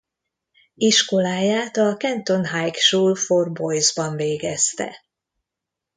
Iskoláját a Canton High School for Boys-ban végezte.